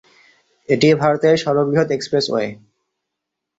এটি ভারতের সর্ববৃহৎ এক্সপ্রেসওয়ে।